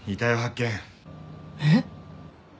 えっ？